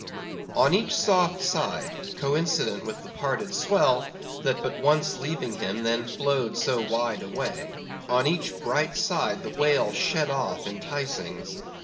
On each soft side—coincident with the parted swell, that but once leaving him, then flowed so wide away—on each bright side, the whale shed off enticings.